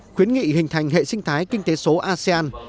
khuyến nghị hình thành hệ sinh thái kinh tế số asean